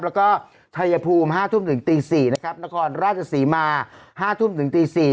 แล้วก็ชัยภูมิ๕ทุ่มถึงตี๔นะครับนครราชศรีมา๕ทุ่มถึงตี๔